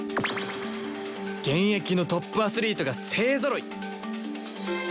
現役のトップアスリートが勢ぞろい！